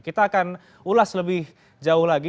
kita akan ulas lebih jauh lagi